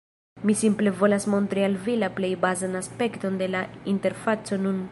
Mi simple volas montri al vi la plej bazan aspekton de la interfaco nun.